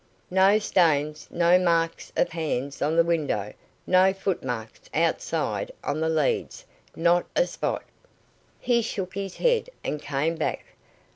No stains no marks of hands on the window, no footmarks outside on the leads not a spot. He shook his head, and came back.